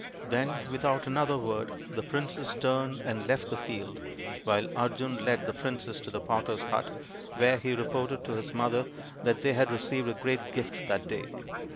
Then, without another word, the princes turned and left the field, while Arjun led the princess to the potter's hut, where he reported to his mother that they had received a great gift that day.